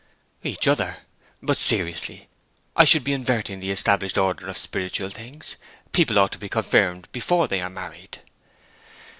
'Each other. But seriously, I should be inverting the established order of spiritual things; people ought to be confirmed before they are married.'